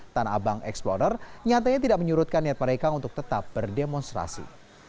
tanah abang explorer nyatanya tidak menyurutkan niat mereka untuk tetap berdemonstrasi